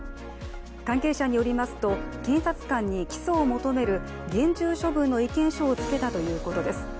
関係者によりますと、検察官に起訴を求める厳重処分の意見書をつけたということです。